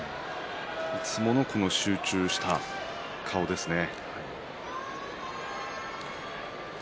いつもの集中した顔ですね。